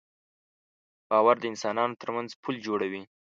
باور د انسانانو تر منځ پُل جوړوي.